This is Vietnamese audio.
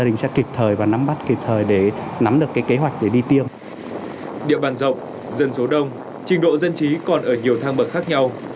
địa bàn rộng dân số đông trình độ dân trí còn ở nhiều thang bậc khác nhau